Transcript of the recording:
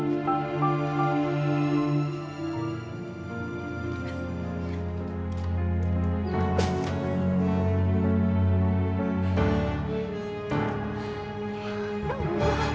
bu kenapa barang barang kami dikeluarkan bu